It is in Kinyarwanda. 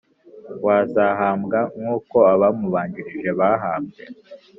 w Azahambwa nk uko abamubanjirije bahambwe